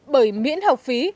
bởi miễn học phí